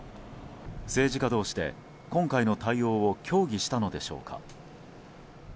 政治家同士で今回の対応を協議したのでしょうか。